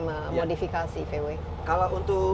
modifikasi vw kalau untuk